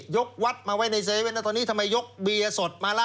ยกวัดมาไว้ในเซเว่นตอนนี้ทำไมยกเบียร์สดมาล่ะ